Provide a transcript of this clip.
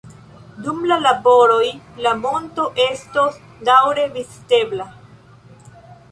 Dum la laboroj la monto estos daŭre vizitebla.